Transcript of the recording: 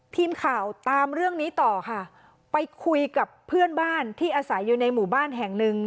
ทีมข่าวตามเรื่องนี้ต่อค่ะไปคุยกับเพื่อนบ้านที่อาศัยอยู่ในหมู่บ้านแห่งหนึ่ง